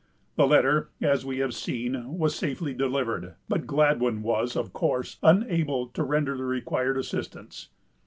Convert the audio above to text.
The letter, as we have seen, was safely delivered; but Gladwyn was, of course, unable to render the required assistance.